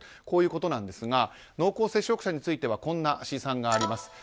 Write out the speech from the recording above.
こういうことなんですが濃厚接触者についてはこんな試算があります。